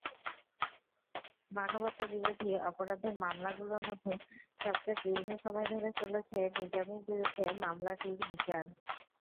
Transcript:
মানবতাবিরোধী অপরাধের মামলাগুলোর মধ্যে সবচেয়ে দীর্ঘ সময় ধরে চলেছে নিজামীর বিরুদ্ধে মামলাটির বিচার।